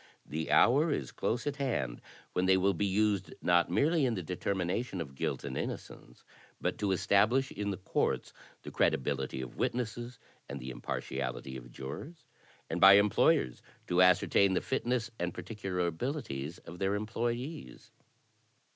The hour is close at hand when they will be used not merely in the determination of guilt and innocence, but to establish in the courts the credibility of witnesses and the impartiality of jurors, and by employers to ascertain the fitness and particu lar abilities of their employees.